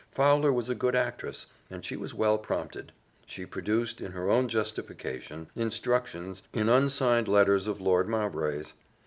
Fowler was a good actress, and she was well prompted she produced, in her own justification, instructions, in unsigned letters of Lord Mowbray's.